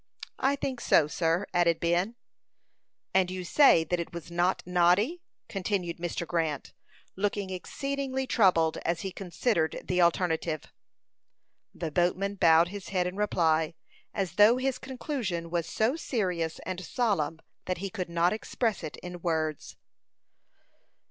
"I think so, sir," added Ben. "And you say that it was not Noddy?" continued Mr. Grant, looking exceedingly troubled as he considered the alternative. The boatman bowed his head in reply, as though his conclusion was so serious and solemn that he could not express it in words.